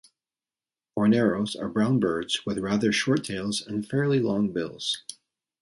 Horneros are brown birds with rather short tails and fairly long bills.